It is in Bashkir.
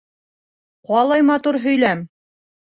Ҡалай матур һөйләм.